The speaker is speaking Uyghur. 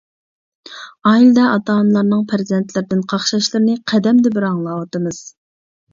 ئائىلىدە ئاتا-ئانىلارنىڭ پەرزەنتلىرىدىن قاقشاشلىرىنى قەدەمدە بىر ئاڭلاۋاتىمىز.